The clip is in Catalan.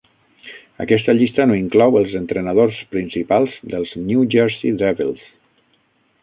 Aquesta llista no inclou els entrenadors principals dels New Jersey Devils.